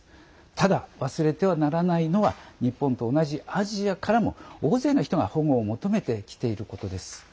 ただ、忘れてはならないのは日本と同じアジアからも大勢の人が保護を求めてきていることです。